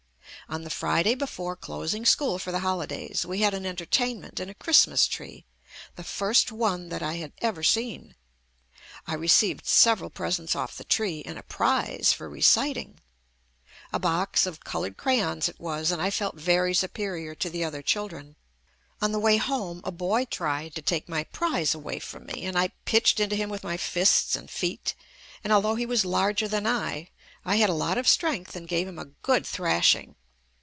On the Friday before closing school for the JUST ME holidays, we had an entertainment and a Christmas tree, the first one that I had ever seen. I received several presents off the tree and a prize for reciting. A box of colored cray ons it was, and I felt very superior to the other children. On the way home a boy tried to take my prize away from me, and I pitched into him with my fists and feet, and although he was larger than I, I had a lot of strength and gave him a good thrashing.